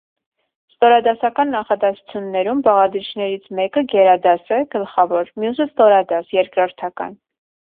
Ստորադասական նախադասություններում բաղադրիչներից մեկը գերադաս է (գլխավոր), մյուսը՝ ստորադաս (երկրորդական)։